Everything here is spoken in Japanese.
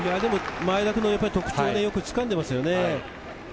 前田くんの特徴をよくつかんでいます。